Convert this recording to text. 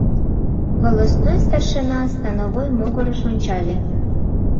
Волостной старшина становой могырыш ончале.